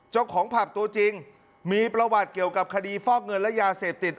เจ้าของผับตัวจริงมีประวัติเกี่ยวกับคดีฟอกเงินและยาเสพติด